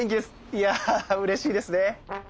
いやうれしいですね。